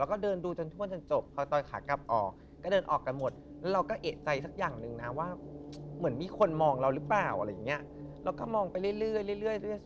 แล้วก็เดินดูจนทวนจนจบเขาตอยขากลับออกก็เดินออกกันหมด